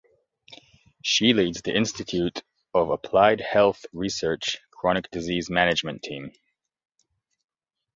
She leads the Institute of Applied Health Research Chronic Disease Management Team.